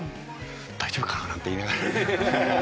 「大丈夫かな？」なんて言いながらね。